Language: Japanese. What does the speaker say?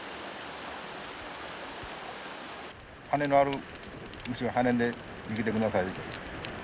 羽のある虫は羽で逃げて下さい。